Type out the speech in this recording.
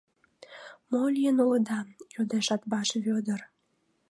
— Мо лийын улыда? — йодеш Атбаш Вӧдыр.